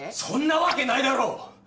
そんなわけないだろう！